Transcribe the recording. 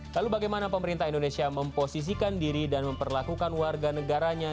lalu bagaimana pemerintah indonesia memposisikan diri dan memperlakukan warga negaranya